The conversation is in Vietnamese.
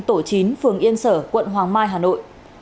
tổ chính phường yên sở quận hoàng mai hà nội